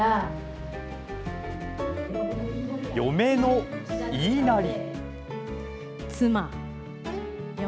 嫁の言いなり。